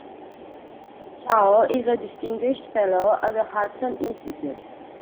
Chao is a distinguished fellow at the Hudson Institute.